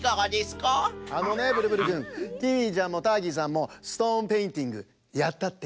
あのねブルブルくんキーウィちゃんもターキーさんもストーンペインティングやったって。